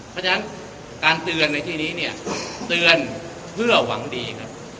เพราะฉะนั้นการเตือนในที่นี้เนี่ยเตือนเพื่อหวังดีครับ